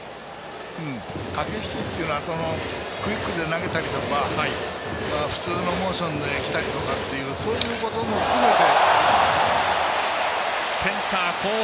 駆け引きっていうのはクイックで投げたりとか普通のモーションできたりとかっていうそういうことも含めて。